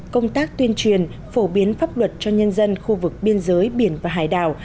công tác tuyên truyền phổ biến pháp luật cho nhân dân khu vực biên giới biển và hải đảo